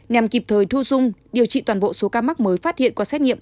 nhằm kịp thời thu dung điều trị toàn bộ số ca mắc mới phát hiện qua xét nghiệm